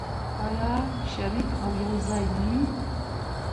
آیا شریک او یوځای نه وي؟